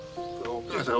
お母さん。